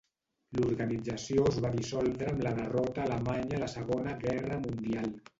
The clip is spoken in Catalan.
L'organització es va dissoldre amb la derrota alemanya a la Segona Guerra Mundial.